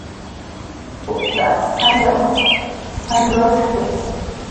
Utas jalluq jallurshki